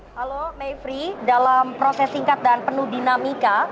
halo mayfrey dalam proses singkat dan penuh dinamika